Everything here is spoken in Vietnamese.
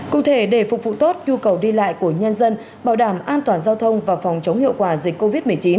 cụ thể để phục vụ tốt nhu cầu đi lại của nhân dân bảo đảm an toàn giao thông và phòng chống hiệu quả dịch covid một mươi chín